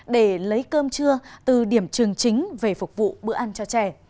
để lấy cơm trưa từ điểm trường chính về phục vụ bữa ăn cho trẻ